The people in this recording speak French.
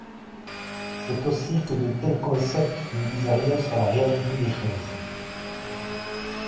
C’est aussi que de tels concepts ne disent rien sur la réalité des choses.